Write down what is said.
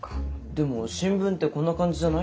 でも新聞ってこんな感じじゃない？